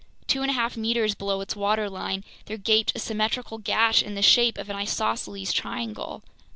Two and a half meters below its waterline, there gaped a symmetrical gash in the shape of an isosceles triangle.